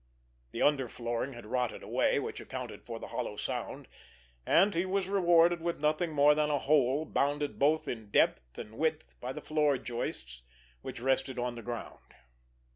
The under flooring had rotted away, which accounted for the hollow sound, and he was rewarded with nothing more than a hole bounded both in depth and width by the floor joists which rested on the ground.